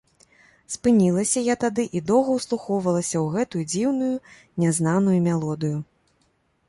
Спынілася я тады і доўга ўслухоўвалася ў гэтую дзіўную, нязнаную мелодыю.